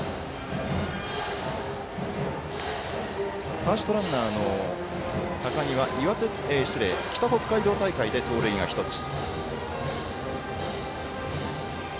ファーストランナーの高木は北北海道大会で盗塁が１つ。